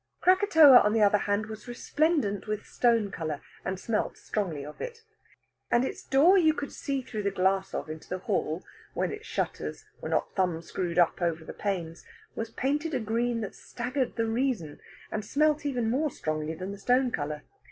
Krakatoa, on the other hand, was resplendent with stone colour, and smelt strongly of it. And its door you could see through the glass of into the hall, when its shutters were not thumb screwed up over the panes, was painted a green that staggered the reason, and smelt even more strongly than the stone colour.